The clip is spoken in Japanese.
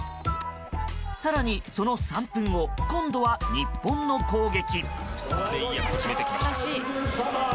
更にその３分後今度は日本の攻撃。